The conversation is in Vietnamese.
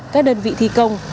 các đơn vị thi công